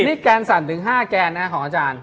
นี่แกนสั่นถึง๕แกนนะของอาจารย์